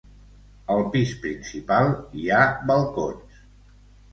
Al pis principal hi ha balcons.